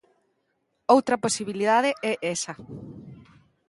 Outra posibilidade é esa.